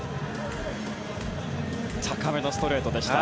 高めのストレートでした。